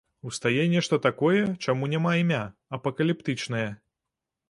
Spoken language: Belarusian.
Устае нешта такое, чаму няма імя, апакаліптычнае.